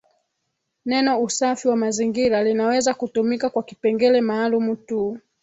Neno usafi wa mazingira linaweza kutumika kwa kipengele maalumu tu